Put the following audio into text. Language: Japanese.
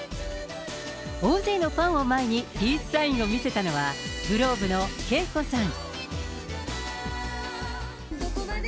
大勢のファンを前に、ピースサインを見せたのは、ｇｌｏｂｅのＫＥＩＫＯさん。